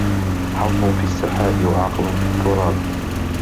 حظ في السحاب وعقل في التراب